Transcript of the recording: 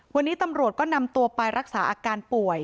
วันนี้ตำรวจก็นำตัวไปรักษาอาการป่วย